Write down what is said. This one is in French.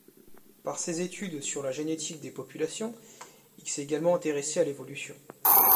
Par ses études sur la génétique des populations, il s'est également intéressé à l'évolution.